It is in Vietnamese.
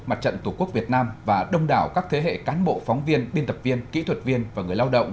mặt trận tổ quốc việt nam và đông đảo các thế hệ cán bộ phóng viên biên tập viên kỹ thuật viên và người lao động